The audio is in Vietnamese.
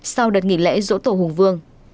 sau đợt nghỉ lễ dỗ tổ hùng vương